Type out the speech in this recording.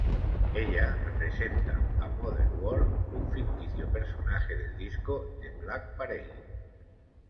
Ella representa a Mother War, un ficticio personaje del disco "The Black Parade".